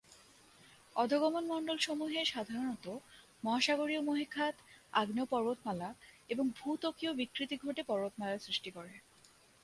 অধোগমন মন্ডলসমূহে সাধারণত মহাসাগরীয় মহীখাত, আগ্নেয় পর্বতমালা এবং ভূত্বকীয় বিকৃতি ঘটে পর্বতমালার সৃষ্টি করে।